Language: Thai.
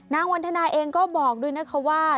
วันทนาเองก็บอกด้วยนะคะว่า